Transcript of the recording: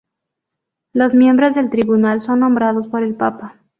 Los miembros del tribunal son nombrados por el papa.